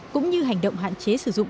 cũng như hành động hạn chế sử dụng